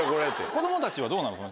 子供たちはどうなの？